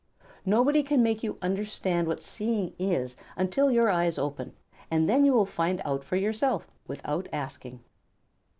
Nobody can make you understand what seeing is until your eyes are open, and then you will find out for yourself without asking."